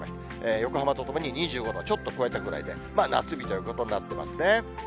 横浜とともに２５度ちょっと超えたくらいで、夏日ということになってますね。